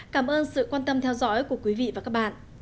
cảm ơn sự quan tâm theo dõi của quý vị và các bạn